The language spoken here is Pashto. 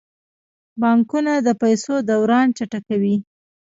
بانکونه د پیسو دوران چټکوي.